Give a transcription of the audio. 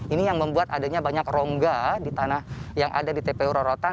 ini yang membuat adanya banyak rongga di tanah yang ada di tpu rorotan